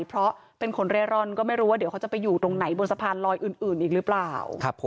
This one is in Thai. เพราะเป็นคนเร่ร่อนก็ไม่รู้ว่าเดี๋ยวเขาจะไปอยู่ตรงไหนบนสะพานลอยอื่นอีกหรือเปล่า